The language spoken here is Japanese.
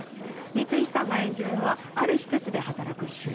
光石さんが演じるのはある施設で働く守衛。